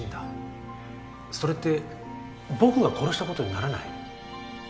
それって僕が殺したことにならない？